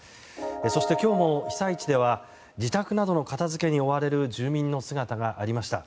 そして、今日も被災地では自宅などの片づけに追われる住民の姿がありました。